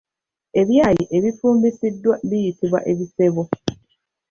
Ebyayi ebifumbisiddwako biyitibwa ebisebo